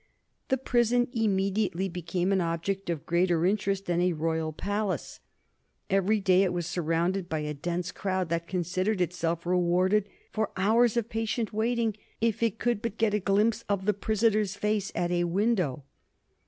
The prison immediately became an object of greater interest than a royal palace. Every day it was surrounded by a dense crowd that considered itself rewarded for hours of patient waiting if it could but get a glimpse of the prisoner's face at a window.